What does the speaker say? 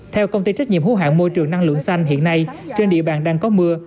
theo công ty trách nhiệm hữu hạng môi trường năng lượng xanh hiện nay trên địa bàn đang có mưa